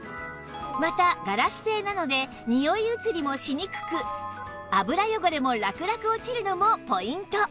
またガラス製なので臭い移りもしにくく油汚れもラクラク落ちるのもポイント